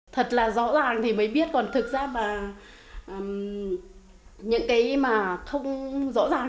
thật là rõ ràng thì mới biết còn thực ra mà những cái mà không rõ ràng